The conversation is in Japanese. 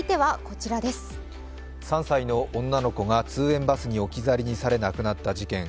３歳の女の子が通園バスに置き去りにされ、亡くなった事件。